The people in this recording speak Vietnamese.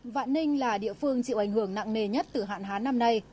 vạn ninh là địa phương chịu ảnh hưởng nặng nề nhất từ hạn hán năm nay